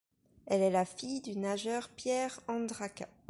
Elle est la fille du nageur Pierre Andraca.